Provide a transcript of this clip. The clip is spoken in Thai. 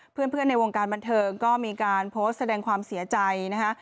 เพื่อนในวงการบันเทิงก็มีการโพสต์แสดงความเสียใจนะคะ